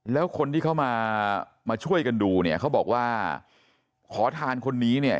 แล้วคนที่เขามามาช่วยกันดูเนี่ยเขาบอกว่าขอทานคนนี้เนี่ย